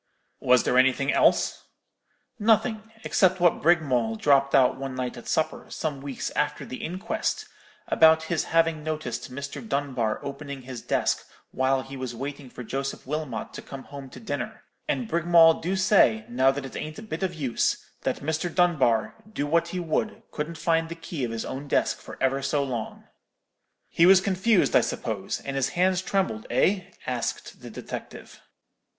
"'Was there anything else?' "'Nothing; except what Brigmawl dropped out one night at supper, some weeks after the inquest, about his having noticed Mr. Dunbar opening his desk while he was waiting for Joseph Wilmot to come home to dinner; and Brigmawl do say, now that it ain't a bit of use, that Mr. Dunbar, do what he would, couldn't find the key of his own desk for ever so long.' "'He was confused, I suppose; and his hands trembled, eh?' asked the detective.